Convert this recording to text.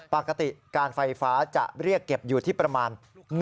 ปกติการไฟฟ้าจะเรียกเก็บอยู่ที่ประมาณ